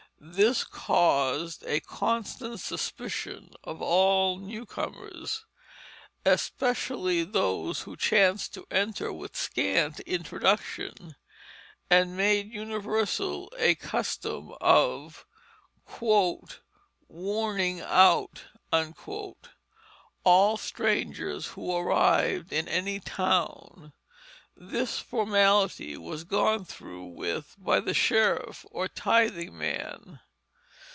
This caused a constant suspicion of all newcomers, especially those who chanced to enter with scant introduction, and made universal a custom of "warning out" all strangers who arrived in any town. This formality was gone through with by the sheriff or tithing man.